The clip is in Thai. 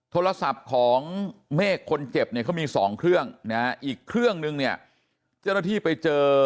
โทรศัพท์ของเมฆคนเจ็บเนี่ยเขามี๒เครื่องนะฮะอีกเครื่องนึงเนี่ยเจ้าหน้าที่ไปเจอ